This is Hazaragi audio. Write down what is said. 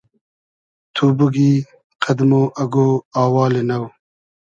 تو بوگی قئد مۉ اگۉ آوالی نۆ